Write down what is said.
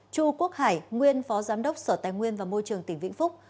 chu quốc hải nguyên phó giám đốc sở tài nguyên và môi trường tỉnh vĩnh phúc